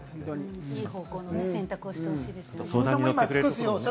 いい方向の選択をしてほしいですね。